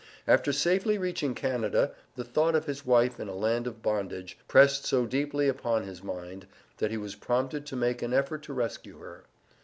After safely reaching Canada, the thought of his wife in a land of bondage, pressed so deeply upon his mind, that he was prompted to make an effort to rescue her.